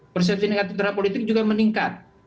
persepsi negatif terhadap politik juga meningkat